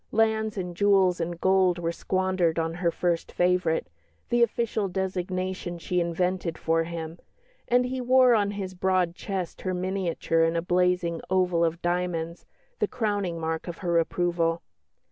Lands and jewels and gold were squandered on her "First Favourite" the official designation she invented for him; and he wore on his broad chest her miniature in a blazing oval of diamonds, the crowning mark of her approval.